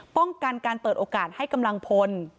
ป้องกันการเปิดโอกาสให้กำลังพล